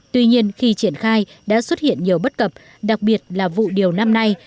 tuy nhiên khi triển khai đã xuất hiện nhiều bất cập đặc biệt là vụ điều năm nay